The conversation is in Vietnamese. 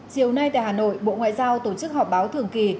chiều nay tại hà nội bộ ngoại giao tổ chức họp báo thường kỳ